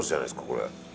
これ。